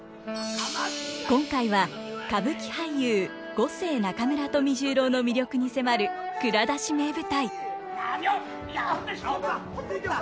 今回は歌舞伎俳優五世中村富十郎の魅力に迫る「蔵出し！名舞台」。